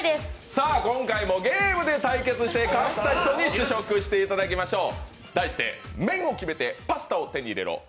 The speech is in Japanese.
今回もゲームで対決して勝った人に試食していただきましょう！